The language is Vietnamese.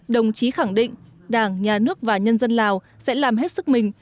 đồng chí khẳng định đảng nhà nước và nhân dân lào sẽ làm hết sức mình